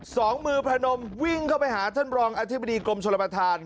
สองมือพนมวิ่งเข้าไปหาท่านรองอธิบดีกรมชนประธาน